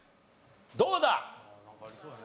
どうだ？